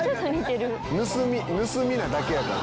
「盗み」「盗み」なだけやから。